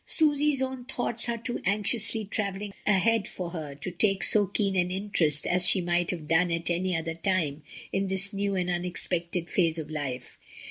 Susy's own thoughts are too anxiously travelling ahead for her to take so keen an interest as she might have done at any other time in this new and unexpected phase of life.